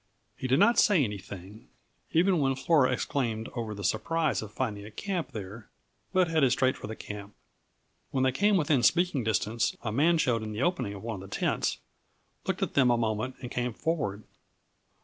He did not say anything, even when Flora exclaimed over the surprise of finding a camp there, but headed straight for the camp. When they came within speaking distance, a man showed in the opening of one of the tents, looked at them a moment, and came forward.